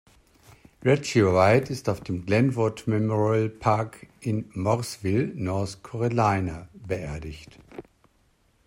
Reggie White ist auf dem Glenwood Memorial Park in Mooresville, North Carolina, beerdigt.